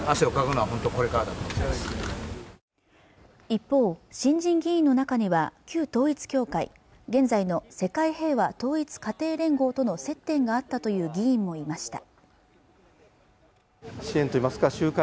一方新人議員の中には旧統一教会現在の世界平和統一家庭連合との接点があったという議員もいました